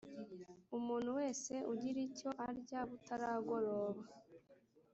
umuntu wese ugira icyo arya butaragoroba